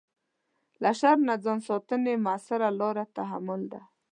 له شر نه ځان ساتنې مؤثره لاره تحمل ده.